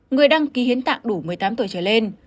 người đăng ký hiến tạng đủ một mươi tám tuổi trở lên